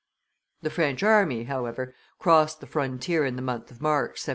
The French army, however, crossed the frontier in the month of March, 1719.